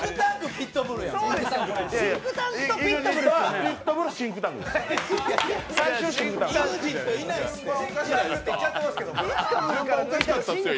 ピットブル、シンクタンクなんよ。